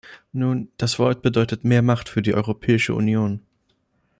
Nun, das Wort bedeutet mehr Macht für die Europäische Union.